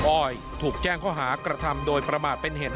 อ้อยถูกแจ้งข้อหากระทำโดยประมาทเป็นเหตุ